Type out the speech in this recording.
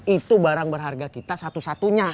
itu barang berharga kita satu satunya